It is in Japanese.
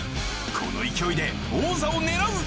この勢いで王座を狙う！